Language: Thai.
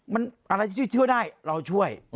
มันอะไรช่วยได้เราช่วย